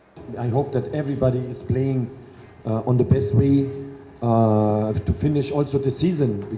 saya berharap semua orang akan berusaha keras untuk mencapai musim ini